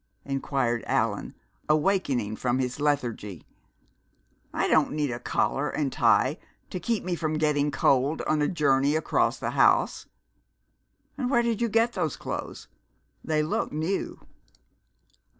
inquired Allan, awakening from his lethargy. "I don't need a collar and tie to keep me from getting cold on a journey across the house. And where did you get those clothes? They look new."